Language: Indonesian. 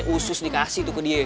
usus dikasih tuh ke dia